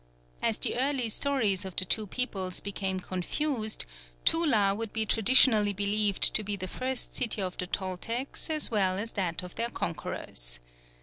As the early stories of the two peoples became confused, Tula would be traditionally believed to be the first city of the Toltecs as well as that of their conquerors.